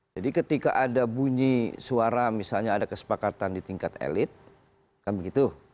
jadi ketika ada bunyi suara misalnya ada kesepakatan di tingkat elit kan begitu